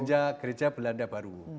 ya tapi gereja belanda baru